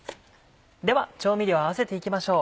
では調味料合わせていきましょう。